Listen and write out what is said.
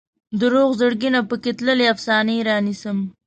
د روغ زړګي نه پکې تللې افسانې رانیسم